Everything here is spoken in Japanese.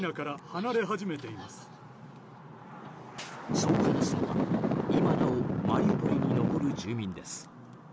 そう話すのは今なおマリウポリに残る住民です。